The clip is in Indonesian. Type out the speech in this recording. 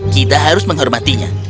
kita harus menghormatinya